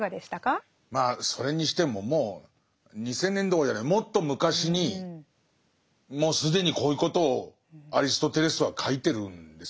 まあそれにしてももう２，０００年どころじゃないもっと昔にもう既にこういうことをアリストテレスは書いてるんですね。